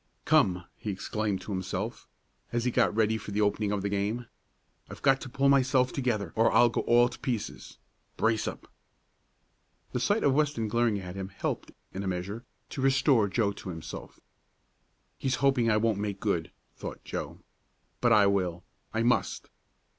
"Come!" he exclaimed to himself, as he got ready for the opening of the game. "I've got to pull myself together or I'll go all to pieces. Brace up!" The sight of Weston glaring at him helped, in a measure, to restore Joe to himself. "He's hoping I won't make good," thought Joe. "But I will! I must!"